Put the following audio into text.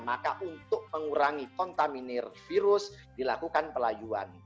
maka untuk mengurangi kontaminir virus dilakukan pelayuan